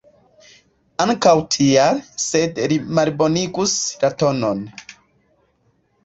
Ankaŭ tial, sed li malbonigus la tonon.